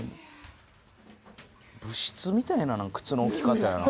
部室みたいな靴の置き方やな。